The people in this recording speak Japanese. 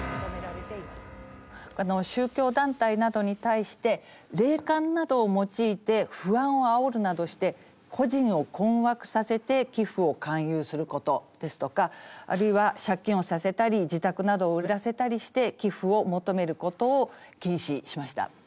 宗教団体などに対して霊感などを用いて不安をあおるなどして個人を困惑させて寄付を勧誘することですとかあるいは借金をさせたり自宅などを売らせたりして寄付を求めることを禁止しました。